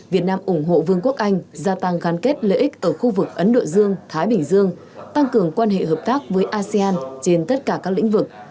việt nam ủng hộ vương quốc anh gia tăng gắn kết lợi ích ở khu vực ấn độ dương thái bình dương tăng cường quan hệ hợp tác với asean trên tất cả các lĩnh vực